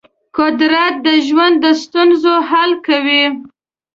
قدرت د ژوند د ستونزو حل کوي.